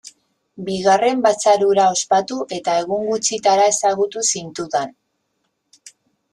Bigarren batzar hura ospatu, eta egun gutxitara ezagutu zintudan.